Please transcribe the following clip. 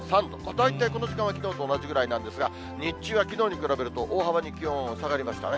大体この時間はきのうと同じぐらいなんですが、日中はきのうに比べると、大幅に気温のほう下がりましたね。